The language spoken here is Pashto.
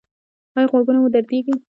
ایا غوږونه مو دردیږي؟